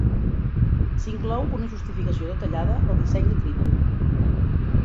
S'inclou una justificació detallada del disseny de Trivium.